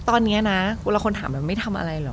ตอนนี้นะบางคนถามว่าไม่ทำอะไรหรอ